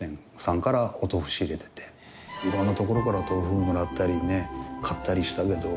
色んな所から豆腐をもらったり買ったりしたけど。